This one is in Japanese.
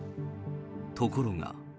ところが。